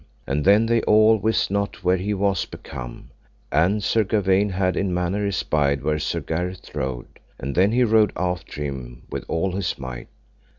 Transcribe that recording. And then they all wist not where he was become; and Sir Gawaine had in manner espied where Sir Gareth rode, and then he rode after with all his might.